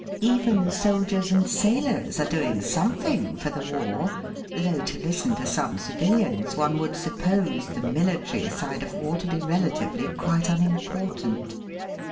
Even soldiers and sailors are doing something for the war, though to listen to some civilians one would suppose the military side of war to be relatively quite unimportant.